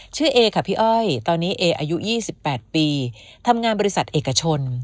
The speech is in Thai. เอค่ะพี่อ้อยตอนนี้เออายุ๒๘ปีทำงานบริษัทเอกชน